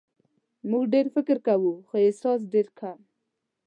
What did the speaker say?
موږ ډېر فکر کوو خو احساس ډېر کم.